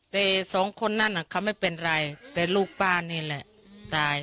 แต่สองคนนั้นเขาไม่เป็นไรแต่ลูกป้านี่แหละตาย